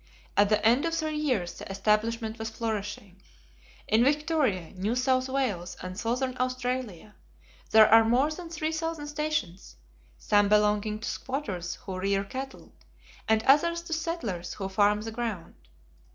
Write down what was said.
At the end of three years the establishment was flourishing. In Victoria, New South Wales, and Southern Australia, there are more than three thousand stations, some belonging to squatters who rear cattle, and others to settlers who farm the ground.